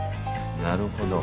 なるほど。